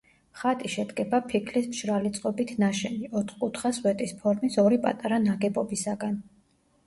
ხატი შედგება ფიქლის მშრალი წყობით ნაშენი, ოთხკუთხა სვეტის ფორმის ორი პატარა ნაგებობისაგან.